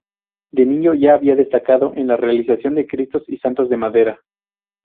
De niño ya había destacado en la realización de Cristos y santos de madera.